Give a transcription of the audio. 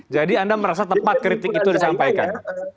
jadi anda merasa tepat kritik itu disampaikan